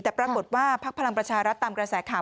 แต่ปรากฏว่าพักพลังประชารัฐตามกระแสข่าว